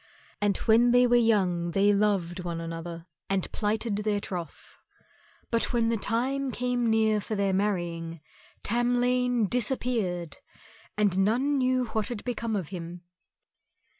And when they were young they loved one another and plighted their troth. But when the time came near for their marrying, Tamlane disappeared, and none knew what had become of him.